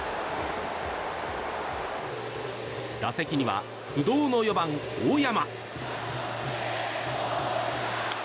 打席には不動の４番、大山。